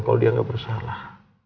kalau dia nggak bersalah